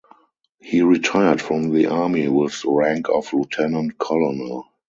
He retired from the Army with the rank of Lieutenant Colonel.